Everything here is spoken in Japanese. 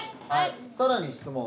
さらに質問。